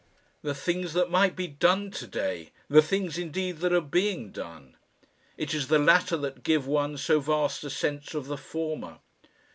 The things that might be done to day! The things indeed that are being done! It is the latter that give one so vast a sense of the former.